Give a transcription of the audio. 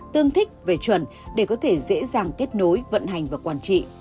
tương thích về chuẩn để có thể dễ dàng kết nối vận hành và quản trị